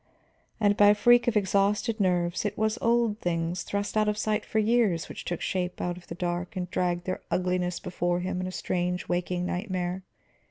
And by a freak of exhausted nerves, it was old things thrust out of sight for years which took shape out of the dark and dragged their ugliness before him in a strange waking nightmare.